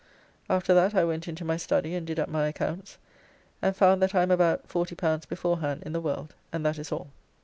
After that I went into my study and did up my accounts, and found that I am about; L40 beforehand in the world, and that is all.